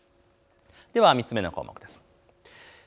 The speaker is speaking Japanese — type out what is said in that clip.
では３つ目の項目です。